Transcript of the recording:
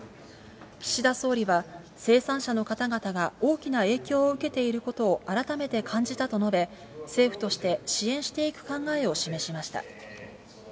岸田総理は、生産者の方々が大きな影響を受けていることを改めて感じたと述べ、政府として、支援していく考えを示しました。